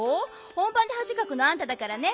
本ばんではじかくのあんただからね。